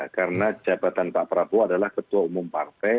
karena jabatan pak prabowo adalah ketua umum partai